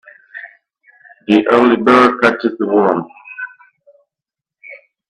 The early bird catches the worm.